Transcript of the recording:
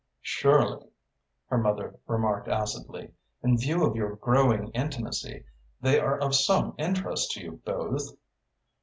"Surely," her mother remarked acidly, "in view of your growing intimacy they are of some interest to you both?"